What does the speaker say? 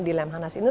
di lemhanas ini